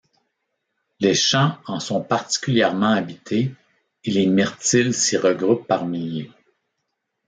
Les champs en sont particulièrement habités et les Myrtils s'y regroupent par milliers.